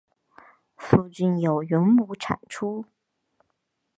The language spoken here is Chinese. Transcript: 附近有云母产出。